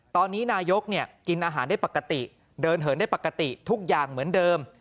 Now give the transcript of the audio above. ตอนนี้นายกกินอาหารได้ปกติเดินเหินได้ปกติทุกอย่างเหมือนเดิม